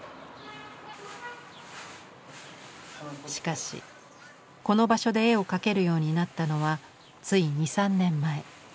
しかしこの場所で絵を描けるようになったのはつい２３年前。